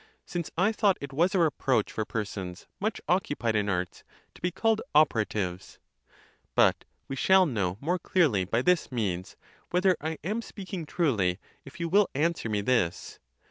Since I thought, it was a reproach for persons, much occupied in arts, to be called operatives.* [7.1 But we shall know more clearly by this means, whether I am speaking truly, if you will answer me this.